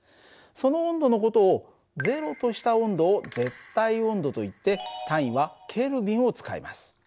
その温度の事を０とした温度を絶対温度といって単位はＫを使います。